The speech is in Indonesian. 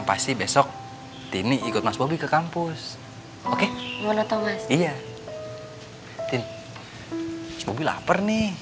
tadikju jadi eyelashes kan